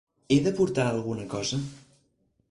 He de portar alguna cosa?